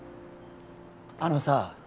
あのさ